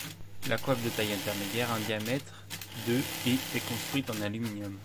La coiffe de taille intermédiaire a un diamètre de et est construite en aluminium.